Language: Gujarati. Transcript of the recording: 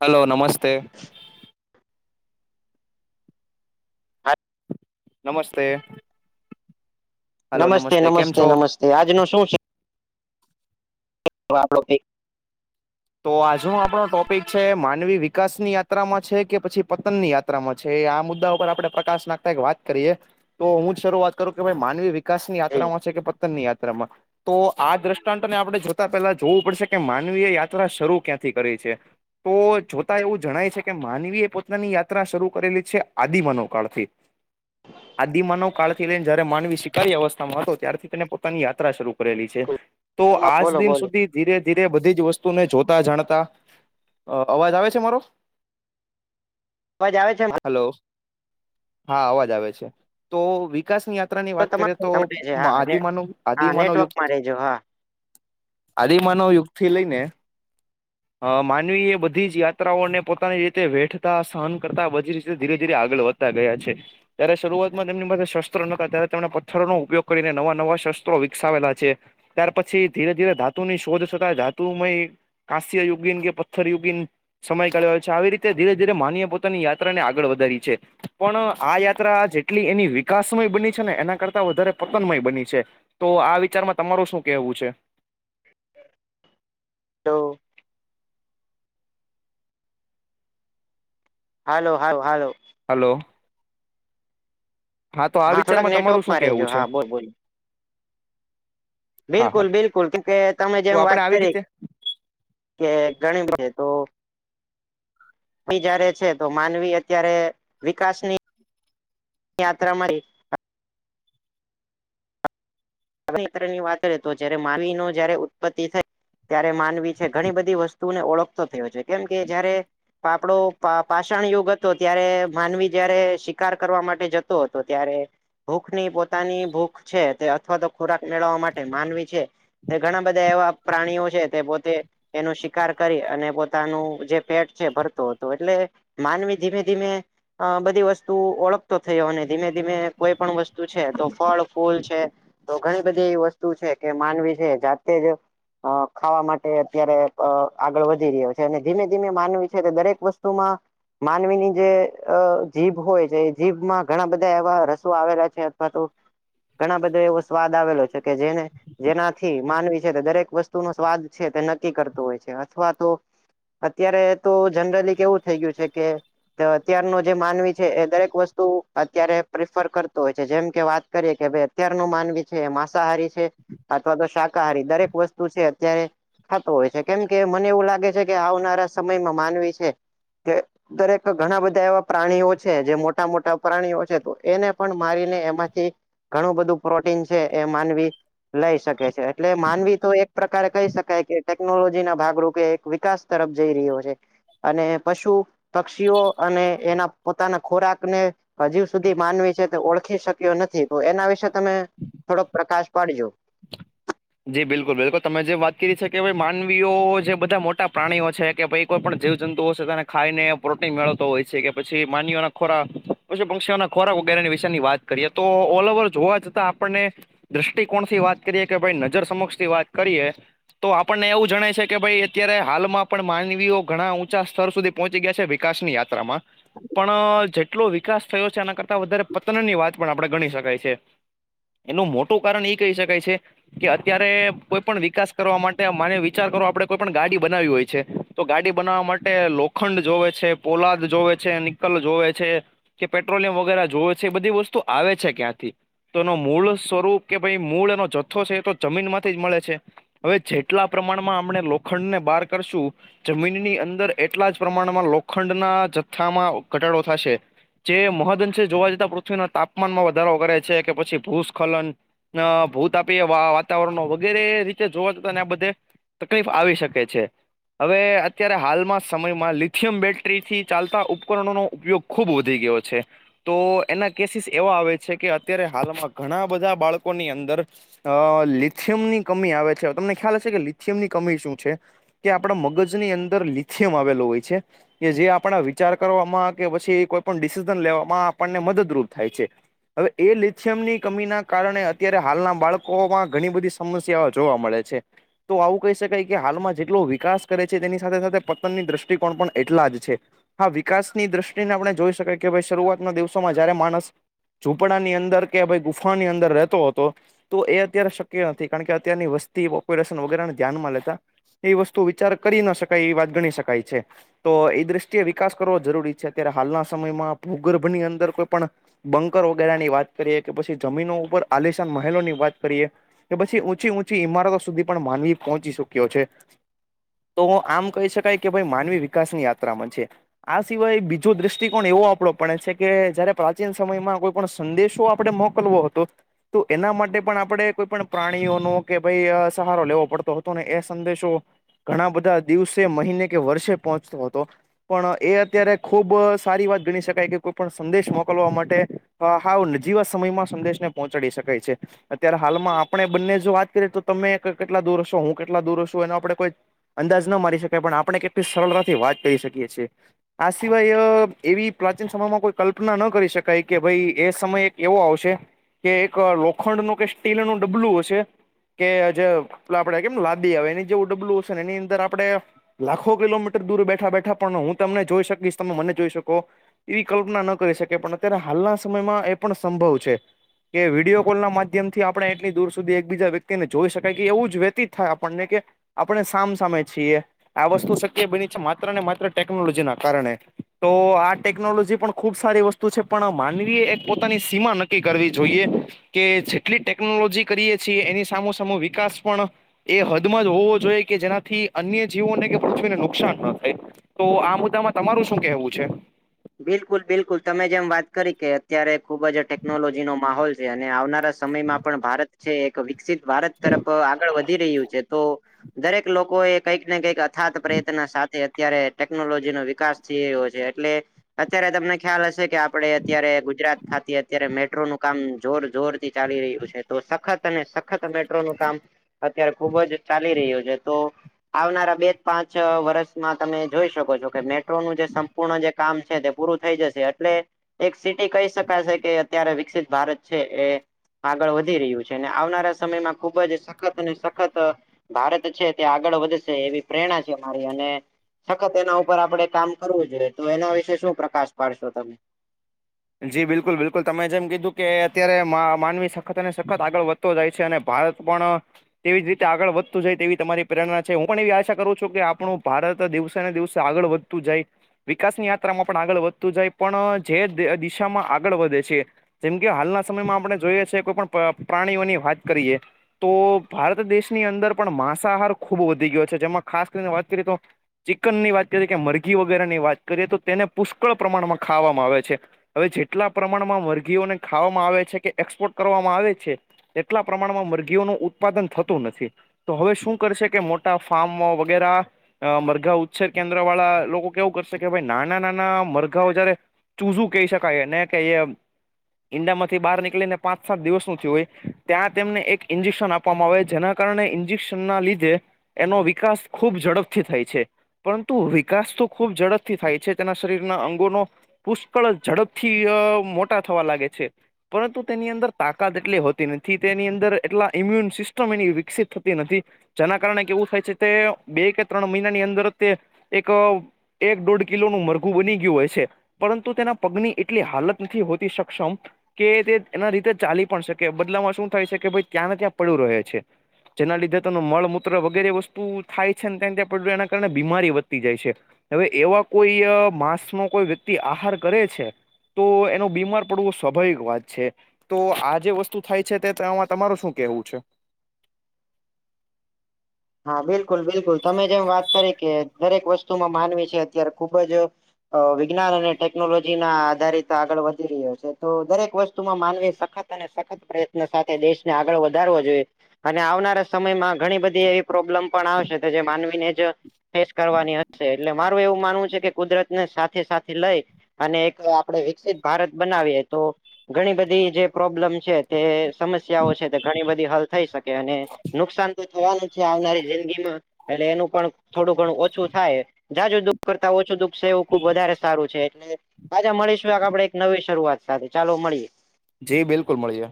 હલો નમસ્તે. નમસ્તે. હલો નમસ્તે કેમ નમસ્તે છો નમસ્તે આજ નું શું છે? તો આપડો [unintelligible] તો આજનો આપણો ટોપિક છે માનવી વિકાસ ની યાત્રામાં છે કે પછી પતન ની યાત્રા આ મુદ્દા આપણે પ્રકાશ નાખતા એક વાત કરીએ, તો હું જ શરૂઆત કરું કે માનવી આિકશની જી. યાત્રામાં છે કે ની યાત્રામાં, તો આ દ્રષ્ટાંતોને આપણે જોતા પહેલા જોવું પડશે કે માનવીય યાત્રા યાત્ર શરૂ ક્યાંથી કરી છે. તો જોતા એવું જણાય છે કે માનવી એ પોતાની યાત્રા શરૂ કરેલી છે આદિમાનોકાળથી. આદિમાનવ કાળ થી લઈને જયારે માનવી શીકારી અવસ્થામાં હતો ત્યારથી તેને પોતાની યાત્રા શરૂ કરેલી છે તો તમા આજ બોલો દિન બોલો સુધી ધીરે ધીરે બધી જ વસ્તુ ને જોતા જાણતા અવાજ આવે છે મારો અવાજ આવે છે હલો હા અવાજ આવે છે તો વિકાસની આ ની વાત કરીએ તમારો તો તમારે છે હા ને- આદિમાનો હા આદિમાનો યુક્ત નેટવર્કમાં રહેજો હા આદિમાનવ યુગ થી લઈ ને અ માનવી એ બધી જ યાત્રાઓને પોતાની રીતે વેઠતા સહન કરતા બધી રીતે ધીરે ધીરે આગળ વધતા ગયા છે. ત્યારે શરૂઆતમાં તેમની પાસે શસ્ત્રો નતા ત્યારે તેમણે પથ્થરો નો ઉપયોગ કરીને નવા નવા શસ્ત્રો વિકસાવેલા છે. ત્યાર પછી ધીરે ધીરે ધાતુ ની શોધ થતા ધાતુમય કાાસ્ય યુગીન કે પથ્થર યોગીન સમય કાઢવા હોય છે આવી રીતે ધીરે ધીરે માનવીએ પોતાની યાત્રા ને આગળ વધારી છે. પણ આ યાત્રા જેટલી એની વિકાસમય બની છે ને એના કરતા વધારે પતનમય બની છે. તો આ વિચારમાં તમારું શું કેવું છે? તો હાલો હાવ હાલો હલો હા તો આ થોડાક વિચારમાં તમારું શું નેટવર્કમાં રહેજો કેવું છે? હા બોલ બોલ હા હા બિલકુલ બિલકુલ કે કે તમે તો જેમ આપડે વાત આવી કરી રીતે કે ઘણી બધી તો [unintelligible] જારે છે તો માનવી અત્યારે વિકાસની યાત્રામાં [unintelligible] વાત કરી તો જય્યારે માવી નો જયારે ઉત્પત્તિ થય ત્યારે માનવી છે ઘણી બધી વસ્તુને ઓળખતો થયો છે કેમ કે જયારે પાપડો પાષણ યોગ હતો ત્યારે માનવી જયારે શિકાર કરવા માટે જતો હતો ત્યારે ભૂખની પોતાની ભૂખ છે તે અથવા તો ખોરાક મેળવવા માટે માનવી છે તે ઘણા બધા એવા પ્રાણીઓ છે તે પોતે એનો શિકાર કરી અને પોતાનું જે પેટ છે ભરતો હતો એટલે માનવી ધીમે ધીમે અ બધી વસ્તુ ઓળખતો થયો અને ધીમે ધીમે કોઈ પણ વસ્તુ છે તો ફળ ફૂલ છે તો ઘણી બધી એવી વસ્તુ છે કે માનવી છે જાતે જ અ ખાવા માટે અત્યારે આગળ વધી રહ્યો છે અને ધીમે ધીમે માનવી છે કે દરેક વસ્તુમાં માનવીની જે અ જીભ હોય છે એ જીભમાં ઘણા બધા એવા રસો આવેલા છે અથવા તો ઘણા બધો એવો સ્વાદ આવેલો છે કે જેને જેનાથી માનવી છે દરેક વસ્તુ નો સ્વાદ છે તે નક્કી કરતો હોય છે અથવા તો અત્યારે તો જનરલી કેવું થઇ ગયું છે કે અત્યારનો જે માનવી છે એ દરેક વસ્તુ અત્યારે પ્રિફર કરતો હોય છે જેમ કે વાત કરીએ કે ભાઇ અત્યાર નો માનવી છે માંસાહારી છે અથવા તો શાકાહારી દરેક વસ્તુ છે અત્યારે ખાતો હોય છે કેમ કે મને એવું લાગે છે કે આવનારા સમયમાં માનવી છે કે દરેક ઘણા બધા એવા પ્રાણીઓ છે જે મોટા મોટા પ્રાણીઓ છે તો એને પણ મારીને એમાંથી ઘણું બધું પ્રોટીન છે એ માનવી લઈ શકે છે એટલે માનવી તો એક પ્રકારે કહી શકાય કે ટેકનોલોજી ના ભાગરૂપે એક વિકાસ તરફ જઈ રહ્યો છે. અને પશુ પક્ષીઓ અને એના પોતાના ખોરાકને હજૂ સુધી માનવી છે તે ઓળખી શક્યો નથી તો એના વિશે તમે થોડોક પ્રકાશ પાડજો જી બિલકુલ બિલકુલ તમે જે વાત કરી છે કે માનવીઓ જે બધા મોટા પ્રાણીઓ છે, કે ભાઈ કોઈ પણ જીવ જંતુઓશે તેને ખાઈને પ્રોટીન મેળવતો હોય છે, કે પછી માનના ખોરા પછી પંક્ષીઓ ના ખોરાક વગેરેની વિશેની વાત કરીએ તો ઓલ ઓવર જોવા જતાં આપણને દ્રષ્ટિકોણ થી વાત કરીએ કે ભાઈ નજર સમક્ષ થી વાત કરીએ તો આપણને એવું જણાય છે કે ભાઈ અત્યારે હાલમાં પણ માનવીઓ ઘણા ઊંચા સ્તર સુધી પહોંચી ગયા છે વિકાસ ની યાત્રામાં. પણ જેટલો વિકાસ થયો છે એના કરતા વધારે પતન ની વાત પણ આપણે ગણી શકાયી એનું મોટું કારણ એ કહી શકાય છે. કે અત્યારે કોઈ પણ વિકાસ કરવા માટે માને વિચાર કરો આપડ કોઈ પણ ગાડી બનાવી હોય છે. તો ગાડી બનાવા માટે લોખંડ જોવે છે, પોલાદ જોવે છે નિકલ જોવે છે. કે પેટ્રોલિયમ વગેરે જોવે છે એ બધી વસ્તુ આવે છે, ક્યાંથી તો એનો મૂળ સ્વરૂપ કે ભાઈ મૂળ એનો જથ્થો છે એ તો જમીન માંથી જ મળે છે. હવે જેટલા પ્રમાણમાં આપણે લોખંડ ને બહાર કરશુ જમીનની અંદર એટલા જ પ્રમાણમાં લોખંડના જથ્થામાં ઘટાડો થશે. જે મહદન છે જોવા જતા પૃથ્વીના તાપમાનમાં વધારો કરે છે કે પછી ભૂસ્ખલન ના બહુ વાતાવરણ વગેરે રીતે જોવા જતાંને આ બધે તકલીફ આવી શકે છે. હવે અત્યારે હાલમાં સમયમાં લિથિયમ બેટરીથી ચાલતા ઉપકરણોનો ઉપયોગ. ખુબ વધી ગયો છે. તો એના કેસીિસ એવા આવે છે કે અત્યારે હાલમાં ઘણા બધા બાળકોની અંદર અ લિથિયમ ની કમી આવે છે, તમને ખ્યાલ હશે કે લિથિયમ ની કમી શું છે. કે આપણા મગજની અંદર લિથિયમ આવેલો હોય છે. કે જે આપણા વિચાર કરવામાં કે પછી કોઈ પણ ડિસિઝન લેવામાં આપણને મદદરૂપ થાય છે. હવે એ લિસિયમ ની કમીના કારણે અત્યારે હાલના બાળકોમાં ઘણી બધી સમસ્યાઓ જોવા મળે છે. તો આવું કહી શકાય કે હાલમાં જેટલો વિકાસ કરે છે તેની સાથે સાથે પતનની દ્રષ્ટિકોણ પણ એટલા જ છે. હા વિકાસની દ્રષ્ટિને આપણે જોઈ શકીએ કે ભાઈ શરૂઆતના દિવસોમાં જયારે માણસ ઝૂપડા ની અંદર કે ભાઈ ગુફા ની અંદર રહેતો હતો. તો એ અત્યારે શક્ય નથી કારણ કે અત્યારની વસ્તી પોપ્યુલેશન વગેરેને ધ્યાનમાં લેતા. એ વસ્તુ વિચાર કરી ના શકાય એ વાત ગણી શકાય છે. તો એ દ્રષ્ટિએ વિકાસ કરવો જરૂરી છે અત્યારે હાલના સમયમાં ભૂગર્ભની અંદર કોઈ પણ બંકર વગેરા ની વાત કરીએ કે પછી જમીનો ઉપર આલિશાન મહેલો ની વાત કરીએ તો પછી ચી ંચી ઈમારતો સુધી પણ માનવી પહોંચી ચુક્યો છે. તો આમ કહી શકાય કે ભાઈ માનવી વિકાસ ની યાત્રામાં છે. આ સિવાય બીજો દ્રષ્ટિકોણ એવો આપડો પડે છે કે જયારે પ્રાચીન સમયમાં કોઈ પણ સંદેશો આપડ લવો હતો તો એના માટે પણ આપણે કોઈ પણ પ્રાણીઓનો કે ભાઈ સહારો લેવો પડતો હતો, ને એ સંદેશો ઘણા બધા દિવસે મહિને કે વર્ષે પહોંચતો હતો. પણ એ અત્યારે ખૂબ સારી વાત ગણી શકાય કે કોઈ પણ સંદેશ મોકલવા માટે હ હા નજીવાત સમયમાં સંદેશને પહોંચાડી શકાય છે. અત્યારે હાલમાં આપણે બંને જો વાત કરીએ તો તમે કેટલા દૂર હશો હું કેટલા દૂર હ છું એનો આપણે કોઈ અંદાજ ન મારી શકાય પણ આપણે કેટલી સરળતાથી વાત કરીહી શકીએ છીએ. આ સિવાય એવી પ્રાચીન સમયમાં કોઈ કલ્પના ન કરી શકાય કે ભાઈ એ સમય એક એવો આવશે કે એક લોખંડ નું કે સ્ટીલ ન ડબલું હશે કે જે પ આપડે કેમ લાદી આવે એની જે ડબલુંશે ને એની અંદર આપડે લાખો કિલોમીટર દૂર બેઠા બેઠા પણ હું તમને જોઈ શકીશ તમે મને જોઈ શકો એવી કલ્પના ન કરી શકે પણ અત્યારે હાલના સમયમાં એ પણ સંભવ છે. કે વિડીયો કોલ ના માધ્યમ માધ્યમ થી આપણે એટલી દૂર સુધી એકબીજા વ્યક્તિને જોઈ શકાય કે એવું જ વ્યતીતાય આપણને કે આપણે સામસામે છીએ આ વસ્તુ શક્ય બની છે માત્ર ને માત્ર ટેકનોલોજી ના કારણે તો આ ટેકનોલોજી પણ ખુબ સારી વસ્તુ પણ માનવી એક પોતાની સીમા નક્કી કરવી જોઈએ કે એટલી ટેકનોલોજી કરીએ છીએ, એની સામો સામો વિકાસ પણ એ હદમાં જ હોવો જોઈએ કે જેનાથી અન્ય જીવોને કે પૃથ્વીને નુકસાન ના થાય. તો આ મુદ્દામાં તમારું શું કેહેવું છે. બિલકુલ બિલકુલ તમે જેમ વાત કરી કે અત્યારે ખુબ જ ટેકનોલોજી નો માહોલ છે, અને આવનારા સમયમાં પણ ભારત છે એક વિકસિત ભારત તરફ આગળ વધી રહ્યું છે, તો દરેક લોકો એ કંઈક ને કંઈક અથાત પ્રયત્ન સાથે અત્યારે ટેકનોલોજી નો વિકાસ જે એવો છે એટલે અત્યારે તમને ખ્યાલ હશે કે આપડે અત્યારે ગુજરાત ખાતી અત્યારે મેટ્રોનુંું કામ જોર જોર ચાલી રહ્યું છે તો સખત અને સખત મેટ્રોનુંું કામ અત્યારે ખુબ જ ચાલી રહ્યું છે તો આવનારા બે પાંચ વર્ષમાં તમે જોઈ શકો છો કે મેટ્રોનુંું જે સંપૂર્ણ જે કામ તે પૂરું થઈ જશે એટલે એક સિટી કહી શકાશે કે અત્યારે વિકસિત ભારત છે એ આગળ વધી રહ્યું છે અને આવનારા સમયમાં ખુબ જ સખત અને સખત ભારત છે તે આગળ વધશે એવી પ્રેરણા છે મારી અને સખત એના ઉપર આપણેે કામ કરવું જોઈએ તો એના વિશે શું પ્રકાશ પાડશો તમે જી બિલકુલ બિલકુલ તમે જેમ કીધું કે અત્યારે માનવી સખત અને સખત આગળ વધ જાય છે અને ભારત પણ તેવી જ રીતે આગળ વધતું જાય તેવી તમારી પ્રેરણા છે હું પણ એવી આશા કરું છું કે આપણું ભારત દિવસે ને દિવસે આગળ વધ જાય વિકાસની યાત્રામાં પણ આગળ વધતું જાય પણ જે દિશામાં આગળ વધે છે જેમ કે હાલના સમયમાં આપણે જોઈએ છ છેએ કોઈ પણ પ્રાણીઓની વાત કરીએ તો ભારત દેશની અંદર પણ માંસાહાર ખૂબ વધી ગયો છે જેમાં ખાસ કરીને વાત કરીએ તો ચિકન ની વાત કરીએ કે મરઘી વગેરે ની વાત કરીએ તો તેને પુષ્કળ પ્રમાણમાં ખાવામાં આવે છે હવે જેટલા પ્રમાણમાં વર્ગીઓને ખાવામાં આવે છે કે એક્સપોર્ટ કરવામાં આવે છે એટલા પ્રમાણમાં મરઘીઓનું ઉત્પાદન થતું નથી તો હવે શું કરશે કે મોટા ફાર્મો વગેરે અ મરઘા ઉચ્છેર કેન્દ્ર વાળા લોકો કેવું કરશે કે ભાઈ નાના નાના મરઘાઓ જયારે તું શું કહી શકાય ને કે ઈંડા માંથી બહાર નીકળીને પાંચ સાત દિવસ નથી હોય ત્યાં તેમને એક ઇન્જેક્શન આપ આપવામાં આવે જેના કારણે ઇન્જેક્શન ના લીધે એનો વિકાસ ખૂબ ઝડપથી થાય છે પરંતુ વિકાસ તો ખૂબ ઝડપથી થાય છે તેના શરીરના અંગોનો પુષ્કળ ઝડપ થી મોટા થવા લાગે છે પરંતુ તેની અંદર તાકાત એટલી હોતી નથી તેની અંદર એટલા ઈમ્યુન સિસ્ટમ એની વિકસિત થતી નથી જેના કારણે કેવું થાય છે તે બે કે ત્રણ મહિનાની અંદર તે એક એક દોઢ કિલોનું મરઘું બની ગયું હોય છે પરંતુ તેના પગની એટલી હાલત નથી હોતી સક્ષમ કે તે એના રીતે ચાલી પણ શકે બદલામાં શું થાય છે કે ભાઈ ક્યાં ને ત્યાં પડું રહે છે જેના લીધે તનું મળ મૂત્ર વગેરે વસ્તુ થાય છે ને ત ત્યાં પડું એના કારણે બીમારી વધતી જાય છે હવે એવા કોઈ માંસ નો કોઈ વ્યક્તિ આહાર કરે છે તો એનો બીમાર પડવો સ્વાભાવિક વાત છે તો આ જે વસ્તુ થાય છે તે તમાર શું કેવું છે હા બિલકુલ બિલકુલ તમે જેમ વાત કરી કે દરેક વસ્તુમાં માનવી છે અત્યારે ખુબ જ વિજ્ઞાન અને ટેકનોલોજી ના આધારિત આગળ વધી રહ્યો છે તો દરેક વસ્તુમાં માનવી સખત સખત પ્રયત્ન સાથે દેશને આગળ વધારવો જોઈએ અને આવનારા સમયમાં ઘણી બધી પ્રોબ્લેમ પણ આવશે તો જે માનવીને જ ફસ કરવાની હશે એટલે મારું એવું માનવું છે કે કુદરત ને સાથે સાથે લઈ અને એક આપણે વિકસિત ભારત બનાવીએ તો ઘણી બધી જે પ્રોબ્લેમ છે તે સમસ્યાઓ છે તે ઘણી બધી હલ થઈ શકે અને નુકસાન તો થવાનું આવનારી જિંદગીમાં એટલે એનું પણ થોડું ઘણું ઓછું થાય જાજ દુઃખ કરતા ઓછું દુખ છે એવું ખુબ વધારે સારું છે એટલે આજા મળીશું આ આપડે એક નવી શરૂઆત સાથે ચાલો મળીએ જી બિલકુલ મળીએ